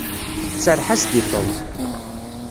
Serreḥ-as-d i Tom.